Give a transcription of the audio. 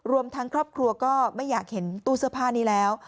รวมทั้งครอบครัวก็ไม่อยากเห็นตู้เสื้อผ้านี้แล้ว